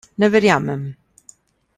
Ne verjamem!